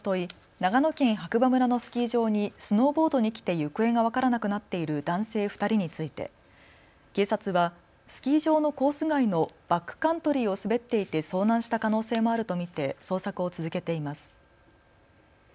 長野県白馬村のスキー場にスノーボードに来て行方が分からなくなっている男性２人について、警察はスキー場のコース外のバックカントリーを滑っていて遭難した可能性もあると見て捜索を続けています。